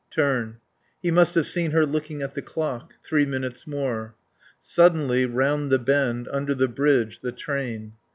Turn. He must have seen her looking at the clock. Three minutes more. Suddenly, round the bend, under the bridge, the train.